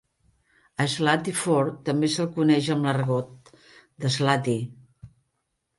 A Slatyford també se'l coneix amb l'argot d'"Slaty".